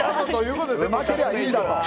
うまけりゃいいだろ。